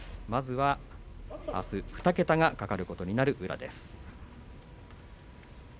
あす２桁が懸かることになる宇良です。